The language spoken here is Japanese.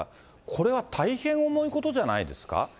これは大変重いことじゃないですか。